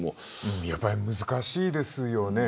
やっぱり難しいですよね。